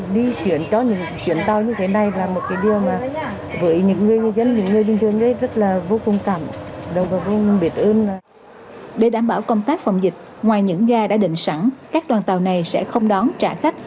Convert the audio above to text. để đảm bảo công tác phòng dịch ngoài những ga đã định sẵn các đoàn tàu này sẽ không đón trả khách